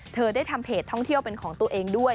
เธอได้ทำเพจท่องเที่ยวเป็นของตัวเองด้วย